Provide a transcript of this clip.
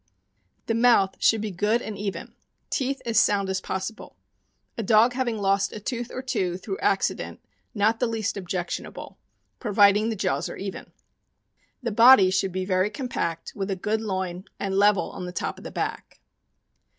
The mouth should be good and even; teeth as sound as possible. A dog having lost a tooth or two through acci dent not the least objectionable, providing the jaws are even. The body should be very compact, with a good loin, and level on top of the back.